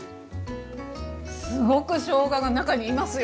すごくしょうがが中にいますよ。